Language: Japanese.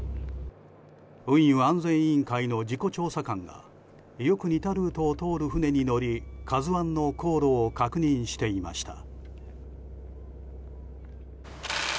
運輸安全委員会の事故調査官がよく似たルートを通る船に乗り「ＫＡＺＵ１」の航路を確認していました。